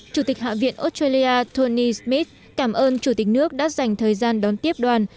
chủ tịch hạ viện australia tony smith cảm ơn chủ tịch nước đã dành thời gian đón tiếp đoàn